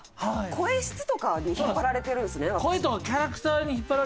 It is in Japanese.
声質とかに引っ張られてるんですね私。